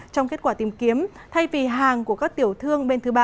trong kết quả tìm kiếm thay vì hàng của các tiểu thương bên thứ ba